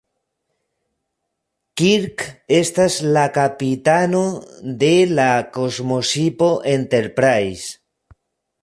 Kirk estas la kapitano de la kosmoŝipo Enterprise.